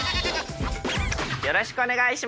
よろしくお願いします。